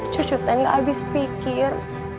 cucu teh nggak abis pikir